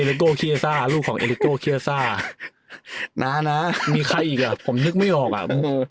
เป็นลูกของน้าน้านักมีใครอีกอ่ะผมนึกไม่ออกอ่ะ